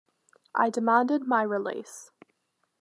I demanded my release.